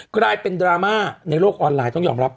กลายเป็นดราม่าในโลกออนไลน์ต้องยอมรับ